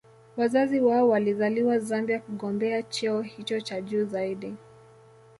Wazazi wao walizaliwa Zambia kugombea cheo hicho cha juu zaidi